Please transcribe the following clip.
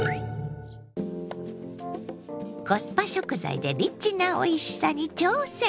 コスパ食材でリッチなおいしさに挑戦！